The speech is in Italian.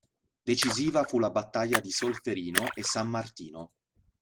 Decisiva fu la battaglia di Solferino e San Martino.